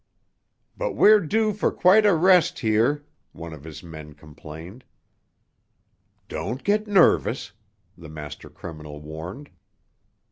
"But we're due for quite a rest here," one of his men complained. "Don't get nervous," the master criminal warned.